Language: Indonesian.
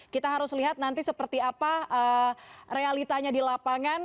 kita harus lihat nanti seperti apa realitanya di lapangan